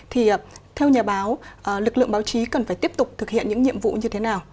thì theo nhà báo lực lượng báo chí cần phải tiếp tục thực hiện những nhiệm vụ như thế nào